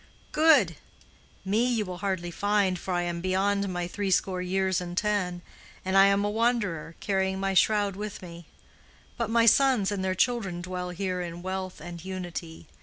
"Good! Me you will hardly find, for I am beyond my threescore years and ten, and I am a wanderer, carrying my shroud with me. But my sons and their children dwell here in wealth and unity.